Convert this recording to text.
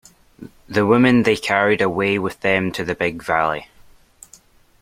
The women they carried away with them to the Big Valley.